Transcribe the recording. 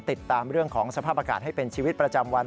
ติดตามเรื่องของสภาพอากาศให้เป็นชีวิตประจำวัน